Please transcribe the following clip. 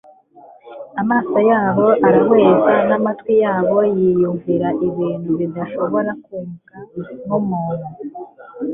Amaso yabo arahweza n'amatwi yabo yiyumvira ibintu bidashobora kumvwa n'umuntu.